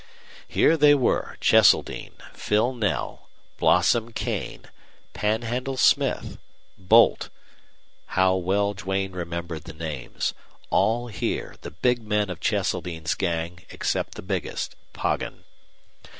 Here they were Cheseldine, Phil Knell, Blossom Kane, Panhandle Smith, Boldt how well Duane remembered the names! all here, the big men of Cheseldine's gang, except the biggest Poggin.